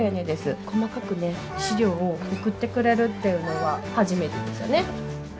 細かくね資料を送ってくれるっていうのは初めてでしたね。